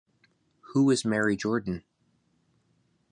Who is Mary Jordan?